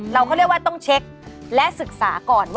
เขาก็เรียกว่าต้องเช็คและศึกษาก่อนว่า